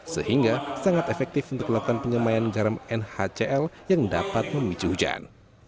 sehingga sangat efektif untuk melakukan penyemayan garam nhcl yang dapat memicu hujan